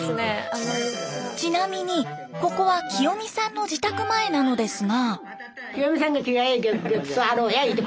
ちなみにここはキヨミさんの自宅前なのですが。